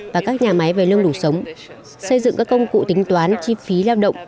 và các nhà máy về lương đủ sống xây dựng các công cụ tính toán chi phí lao động